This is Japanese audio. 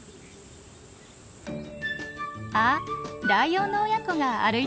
あっライオンの親子が歩いていますね。